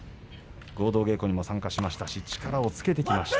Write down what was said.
合同稽古にも参加しましたし力をつけてきました。